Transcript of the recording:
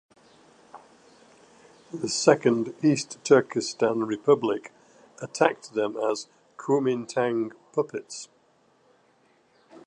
The Second East Turkestan Republic attacked them as Kuomintang "puppets".